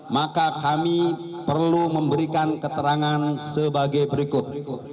maka kami perlu memberikan keterangan sebagai berikut